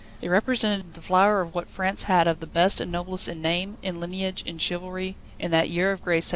They represented the flower of what France had of the best and noblest in name, in lineage, in chivalry, in that year of grace 1783.